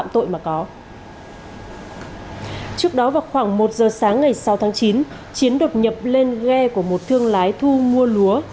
trước đó vào khoảng một giờ sáng ngày sáu tháng chín chiến đột nhập lên ghe của một thương lái thu mua lúa